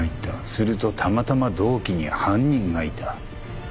するとたまたま同期に犯人がいた。